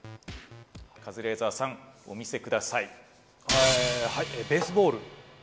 カズレーザーさんお見せください。